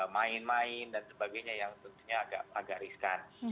main main dan sebagainya yang tentunya agak riskan